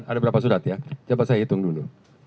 ada berapa surat ya dapat saya hitung dulu